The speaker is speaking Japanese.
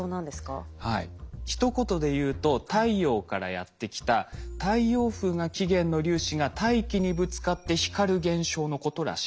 ひと言で言うと太陽からやって来た太陽風が起源の粒子が大気にぶつかって光る現象のことらしいんです。